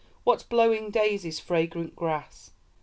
What blowing daisies, fragrant grass!